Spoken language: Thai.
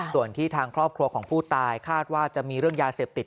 ส่วนที่ทางครอบครัวของผู้ตายคาดว่าจะมีเรื่องยาเสพติด